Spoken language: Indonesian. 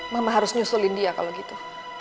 mama harus nyusulin dia kalau gitu